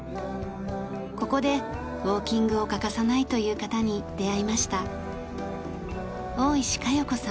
ここでウォーキングを欠かさないという方に出会いました。